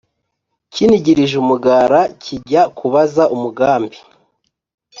Kinigirije umugara kijya kubaza umugambi